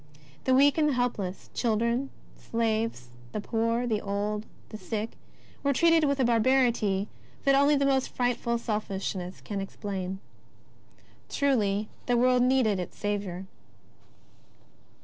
The weak and the help less — children, slaves, the poor, the old, the sick, were treated with a barbarity that only the most frightful selfishness can explain. Truly the world needed its Saviour